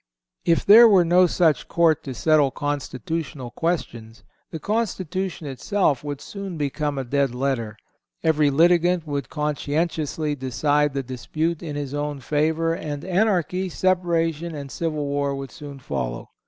If there were no such court to settle constitutional questions, the Constitution itself would soon become a dead letter. Every litigant would conscientiously decide the dispute in his own favor and anarchy, separation and civil war would soon follow.